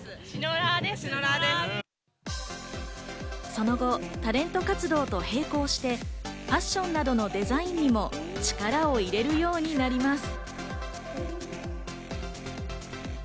その後、タレント活動と並行してファッションなどのデザインにも力を入れるようになります。